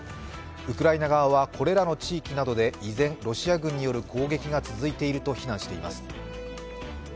ウクライナ側はこれらの地域などで依然、ロシア軍による攻撃が続いていると非難しています。